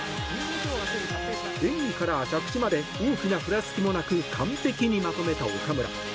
演技から着地まで大きなふらつきもなく完璧にまとめた岡村。